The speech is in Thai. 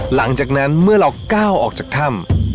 หลังจากนั้นเมื่อเราก้าวออกจากถ้ำ